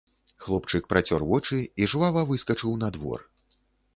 Хлопчык працёр вочы і жвава выскачыў на двор.